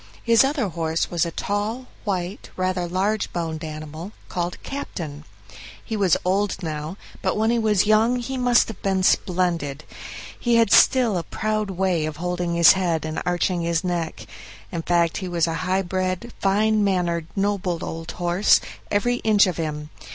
His other horse was a tall, white, rather large boned animal called "Captain". He was old now, but when he was young he must have been splendid; he had still a proud way of holding his head and arching his neck; in fact, he was a high bred, fine mannered, noble old horse, every inch of him.